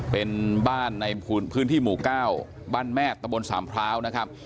เป็นบ้านในพื้นที่หมู่เก้าบ้านแม่ตะโมลด์สามพร้าว